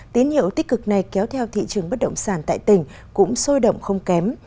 tín hiệu tích cực này kéo theo thị trường bất động sản tại tỉnh cũng sôi động không kém